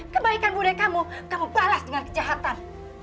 kebaikan budaya kamu kamu balas dengan kejahatan